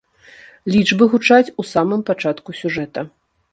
Лічбы гучаць у самым пачатку сюжэта.